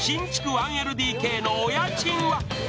１ＬＤＫのお家賃は？